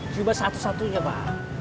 cuma satu satunya pak